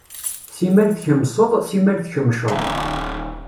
Simmal tkemmseḍ, simmal tkemmceḍ.